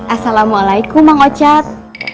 asalamualaikum mang ocat